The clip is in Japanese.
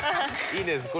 いいですね。